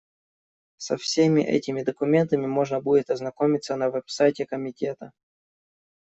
Со всеми этими документами можно будет ознакомиться на веб-сайте Комитета.